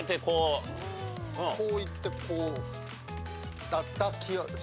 こういってこうだった気が。